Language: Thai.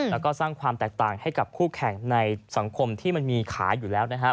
แล้วก็สร้างความแตกต่างให้กับคู่แข่งในสังคมที่มันมีขายอยู่แล้วนะครับ